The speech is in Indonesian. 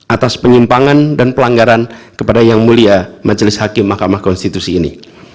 atas penyimpangan dan pelanggaran kepada yang mulia majelis hakim mahkamah konstitusi ini